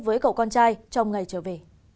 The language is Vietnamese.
với cậu con trai trong ngày trở về